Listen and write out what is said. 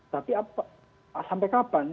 tapi sampai kapan